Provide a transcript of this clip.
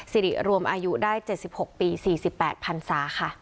สิริรวมอายุได้๗๖ปี๔๘พันศาค่ะ